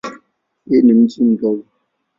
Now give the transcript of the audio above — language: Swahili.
Hii ni mji mdogo.